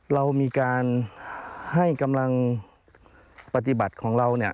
เรามีการให้กำลังปฏิบัติของเราเนี่ย